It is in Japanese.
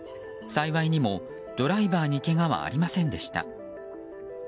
幸いにもドライバーにけがはありませんでした。